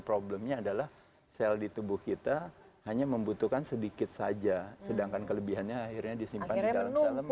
problemnya adalah sel di tubuh kita hanya membutuhkan sedikit saja sedangkan kelebihannya akhirnya disimpan di dalam sel lem